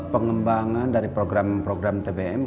pengembangan dari program program tbm